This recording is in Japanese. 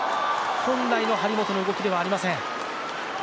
本来の張本の動きではありません。